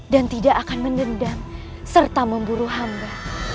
dan tidak akan menendang serta memburu hamba